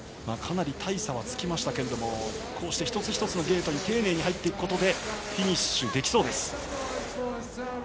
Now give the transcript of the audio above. かなり大差はつきましたがこうして一つ一つのゲートに丁寧に入っていくことでフィニッシュできそうです。